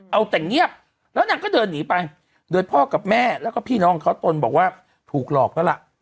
เอาแต่เงียบแล้วนางก็เดินหนีไปโดยพ่อกับแม่แล้วก็พี่น้องเขาตนบอกว่าถูกหลอกแล้วล่ะ